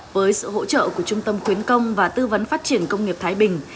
với sự hỗ trợ của trung tâm khuyến công và tư vấn phát triển công nghiệp thái bình